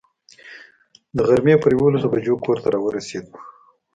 د غرمې پر یوولسو بجو کور ته را ورسېدو.